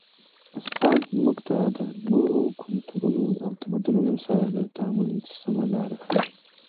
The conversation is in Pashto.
استاد موږ ته د نورو کلتورونو او تمدنونو سره د تعامل سمه لاره ښيي.